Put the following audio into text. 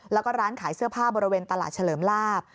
แล้วก็ร้านขายเสื้อผ้าบริเวณตลาดเฉลิมลาบ